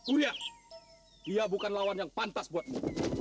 mulia dia bukan lawan yang pantas buatmu